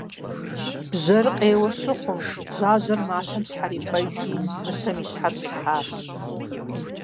Бжьэр къеуэ щыхъум, жьажьэр матэм щхьэри-пӏэжри, мыщэм и щхьэр щӏихьащ.